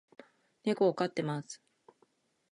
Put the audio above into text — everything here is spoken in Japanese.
猫を飼っています